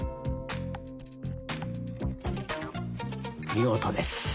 見事です。